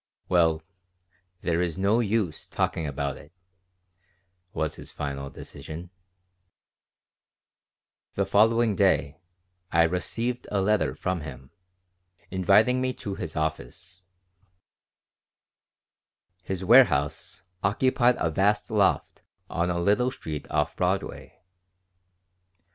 "Well, there is no use talking about it," was his final decision The following day I received a letter from him, inviting me to his office His warehouse occupied a vast loft on a little street off Broadway.